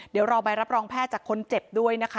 เดี๋ยวรอใบรับรองแพทย์จากคนเจ็บด้วยนะคะ